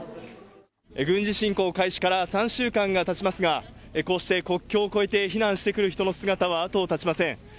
軍事侵攻開始から３週間がたちますが、こうして国境を越えて避難してくる人の姿は後を絶ちません。